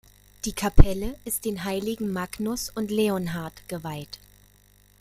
Die Kapelle ist den Heiligen Magnus und Leonhard geweiht.